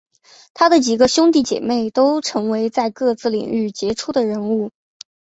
他的几个兄弟姐妹都成为在各自领域杰出的人物。